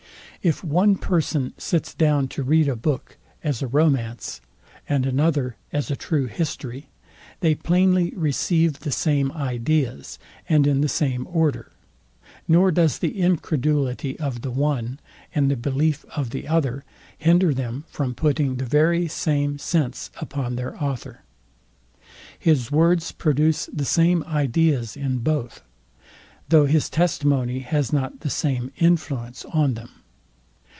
If one person sits down to read a book as a romance, and another as a true history, they plainly receive the same ideas, and in the same order; nor does the incredulity of the one, and the belief of the other hinder them from putting the very same sense upon their author. His words produce the same ideas in both; though his testimony has not the same influence on them.